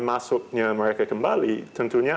masuknya mereka kembali tentunya